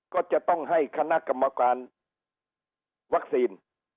ก็จะต้องให้คณะกรรมการวัคซีน